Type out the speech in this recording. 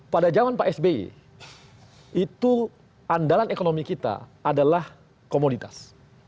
pada zaman pak sby itu andalan ekonomi kita adalah komoditas